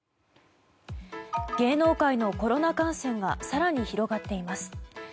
芸能界のコロナ感染が更に広がっています。